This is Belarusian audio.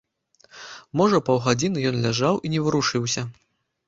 Можа, паўгадзіны ён ляжаў і не варушыўся.